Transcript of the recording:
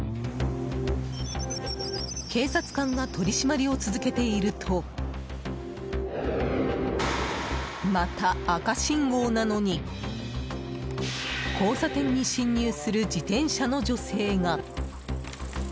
警察官が取り締まりを続けているとまた赤信号なのに交差点に進入する自転車の女性が。